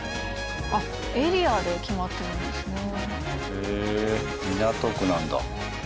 へえ港区なんだ。